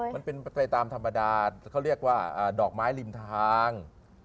มันเป็นไปตามธรรมดาเขาเรียกว่าดอกไม้ริมทาง